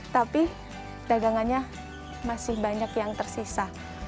tapi dagangannya masih banyak yang tersisa